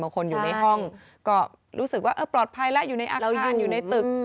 คนอยู่ในห้องก็รู้สึกว่าเออปลอดภัยแล้วอยู่ในอาคารอยู่ในตึก